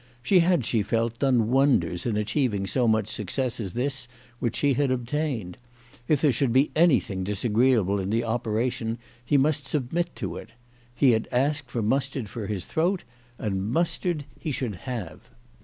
She had, she felt, done wonders in achieving so much suc cess as this which she had obtained. If there should be anything disagreeable in the operation he must submit to it. He had asked for mustard for his throat, and mustard he should have.